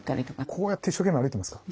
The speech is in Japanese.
こうやって一生懸命歩いてますか？